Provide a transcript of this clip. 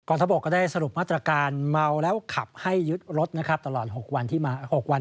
กรธบกก็ได้สรุปมาตรการเมาแล้วขับให้ยึดรถตลอด๖วัน